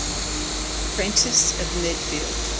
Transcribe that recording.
Prentiss of Medfield.